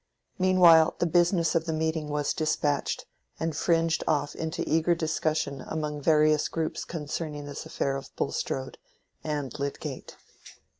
Meanwhile the business of the meeting was despatched, and fringed off into eager discussion among various groups concerning this affair of Bulstrode—and Lydgate.